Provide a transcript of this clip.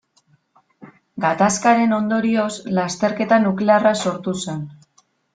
Gatazkaren ondorioz lasterketa nuklearra sortu zen.